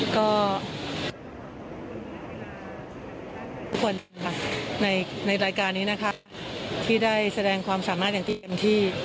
ก็ทุกคนในรายการนี้นะคะที่ได้แสดงความสามารถอย่างที่เต็มที่